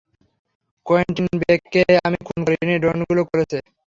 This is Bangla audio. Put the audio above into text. কোয়েন্টিন বেককে আমি খুন করিনি, ড্রোনগুলো করেছে।